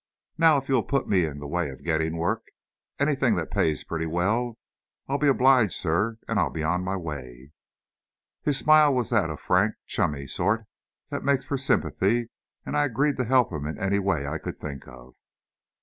Now, if you'll put me in the way of getting work, anything that pays pretty well, I'll be obliged, sir, and I'll be on my way." His smile was of that frank, chummy sort that makes for sympathy and I agreed to help him in any way I could think of.